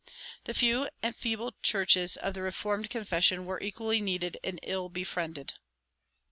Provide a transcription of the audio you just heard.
[188:2] The few and feeble churches of the Reformed confession were equally needy and ill befriended.